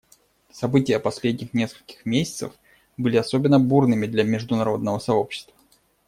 События последних нескольких месяцев были особенно бурными для международного сообщества.